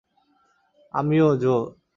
আমিও, জো।